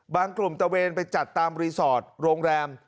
กลุ่มตะเวนไปจัดตามรีสอร์ทโรงแรม